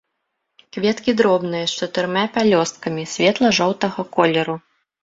Кветкі дробныя, з чатырма пялёсткамі, светла-жоўтага колеру.